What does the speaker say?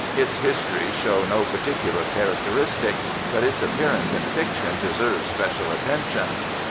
Its histories show no particular characteristic, but its appearance in fiction deserves special attention.